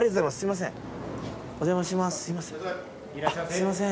すいません。